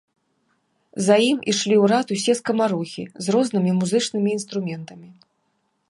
За ім ішлі ў рад усе скамарохі з рознымі музычнымі інструментамі.